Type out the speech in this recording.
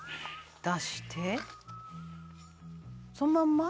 「出してそのまんま？」